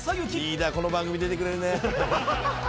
「リーダーこの番組出てくれるね」